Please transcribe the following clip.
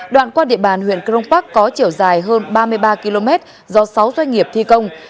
đoạn qua địa bàn huyện crong park có chiều dài hơn ba mươi ba km do sáu doanh nghiệp thi công